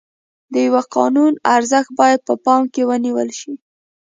د یوه قانون ارزښت باید په پام کې ونیول شي.